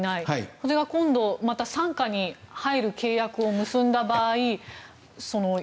それが今度また傘下に入る契約を結んだ場合